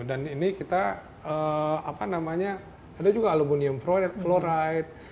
dan ini kita apa namanya ada juga aluminium chloride